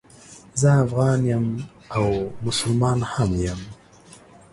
زه افغان یم او مسلمان هم یم